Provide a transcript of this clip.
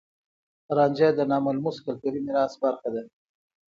رانجه د ناملموس کلتوري ميراث برخه ده.